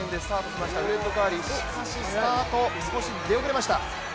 しかし、スタート少し、出遅れました。